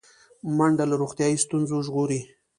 منډه له روغتیایي ستونزو ژغوري